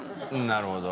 なるほど。